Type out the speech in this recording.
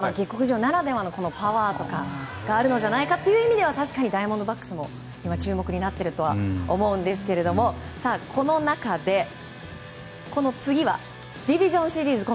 ですから、下克上ならではのパワーなんかがあるんじゃないかということでは確かにダイヤモンドバックスも注目にはなってると思うんですがこの中で次はディビジョンシリーズです。